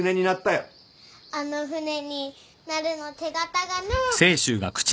あの船になるの手形がね。